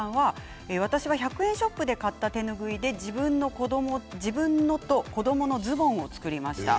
私は１００円ショップで買った手ぬぐいで自分のものと子どものズボンを作りました。